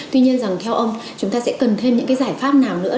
tuy nhiên rằng theo ông chúng ta sẽ cần thêm những cái giải pháp nào nữa